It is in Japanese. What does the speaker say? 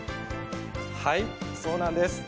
はいそうなんです。